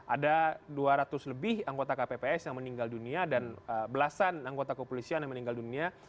ada dua ratus lebih anggota kpps yang meninggal dunia dan belasan anggota kepolisian yang meninggal dunia